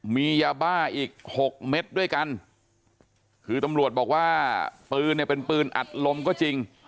มียาบ้าอีกหกเม็ดด้วยกันคือตำรวจบอกว่าปืนเนี่ยเป็นปืนอัดลมก็จริง